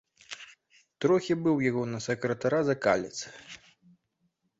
Трохі быў у яго на сакратара закалец.